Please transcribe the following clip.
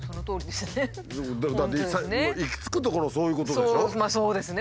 だってもう行き着くところそういうことでしょ？